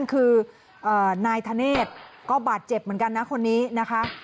คือนายธเนธก็บาดเจ็บเหมือนกันนะคนนี้นะคะ